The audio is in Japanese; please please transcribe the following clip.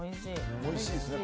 おいしいですよね。